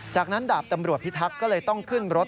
จากนั้นดาบตำรวจพิทักษ์ก็เลยต้องขึ้นรถ